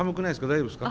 大丈夫ですか？